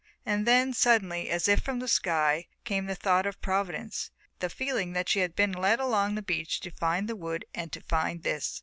And then, suddenly, and as if from the sky came the thought of Providence, the feeling that she had been led along the beach to find the wood and to find this.